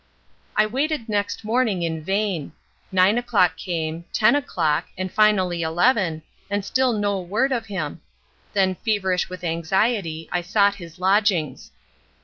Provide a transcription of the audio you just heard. I waited next morning in vain. Nine o'clock came, ten o'clock, and finally eleven, and still no word of him. Then feverish with anxiety, I sought his lodgings.